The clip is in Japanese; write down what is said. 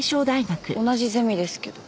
同じゼミですけど。